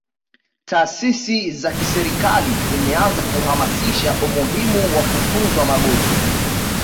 taasisi za kiserikali zimeanza kuhamasisha umuhimu wa kutunzwa magofu